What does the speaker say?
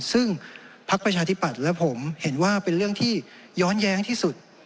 ซึ่งพักประชาธิปัตย์และผมเห็นว่าเป็นเรื่องที่ย้อนแย้งที่สุด